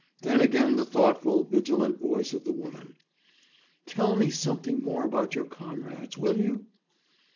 Then again the thoughtful, vigilant voice of the woman. »Tell me something more about your comrades, will you?